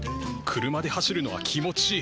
車で走るのは気持ちいい。